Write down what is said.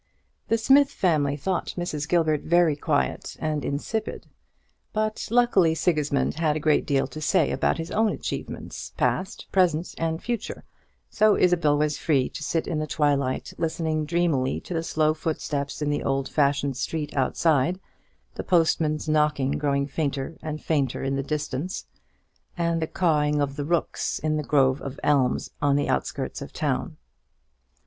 The Smith family thought Mrs. Gilbert very quiet and insipid; but luckily Sigismund had a great deal to say about his own achievements, past, present, and future; so Isabel was free to sit in the twilight listening dreamily to the slow footsteps in the old fashioned street outside the postman's knock growing fainter and fainter in the distance and the cawing of the rooks in a grove of elms on the outskirts of the town.